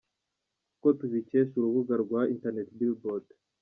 Nkuko tubikesha urubuga rwa internet billboard.